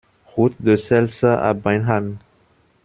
Route de Seltz à Beinheim